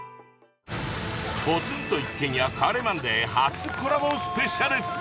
『ポツンと一軒家』『帰れマンデー』初コラボスペシャル！